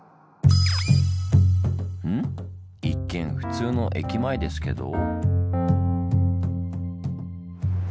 一見普通の駅前ですけど。